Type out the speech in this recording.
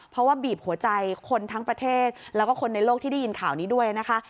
เพราะว่าบีบหัวใจคนทั้งประเทศแล้วก็คนในโลกที่ได้ยินข่าวนี้ด้วยนะคะ